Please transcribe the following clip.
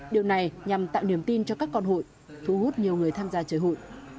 điều này nhằm tạo niềm tin cho các con hụi thu hút nhiều người tham gia chơi hụi